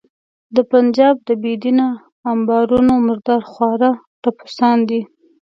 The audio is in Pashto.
د پنجاب د بې دینه امبارونو مردار خواره ټپوسان دي.